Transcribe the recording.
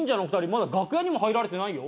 まだ楽屋にも入られてないよ？